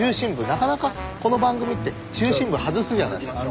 なかなかこの番組って中心部外すじゃないですか。